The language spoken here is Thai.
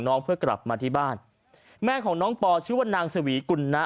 เพื่อกลับมาที่บ้านแม่ของน้องปอชื่อว่านางสวีกุลนะ